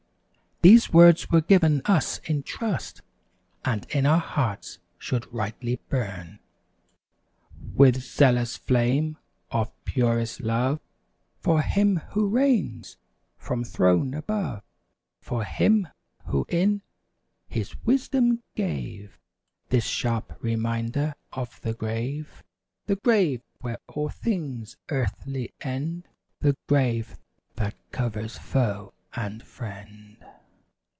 These words were given us in trust. And in our hearts should rightly burn With zealous flame of purest love For Him who reigns from throne above. For Him, who in His wisdom, gave This sharp reminder of the grave. The grave, where all things earthly end! The grave, that covers foe and friend!